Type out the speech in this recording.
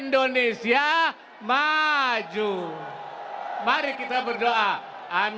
tps akan kita putihkan